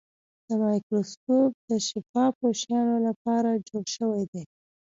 دا مایکروسکوپ د شفافو شیانو لپاره جوړ شوی دی.